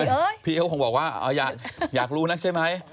นี่พี่เอ้ยเขาคงบอกว่าอยากรู้นะใช่ไหม